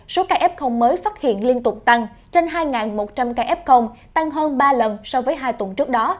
số kf mới phát hiện liên tục tăng trên hai một trăm linh kf tăng hơn ba lần so với hai tuần trước đó